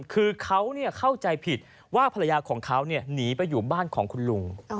คือเขาเข้าใจผิดว่าภรรยาของเขาหนีไปอยู่บ้านของคุณลุง